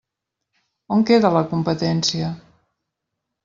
On queda la competència?